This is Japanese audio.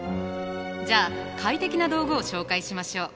じゃあ快適な道具を紹介しましょう。